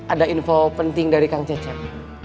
ada info penting dari kang cecep